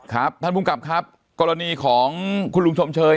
ครับท่านภูมิกับครับกรณีของคุณลุงชมเชย